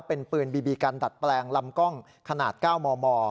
เป็นปืนบีบีกันดัดแปลงลำกล้องขนาด๙มม